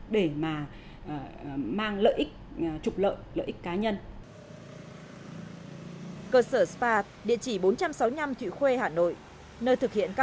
bên chị có dạy xong rồi cấp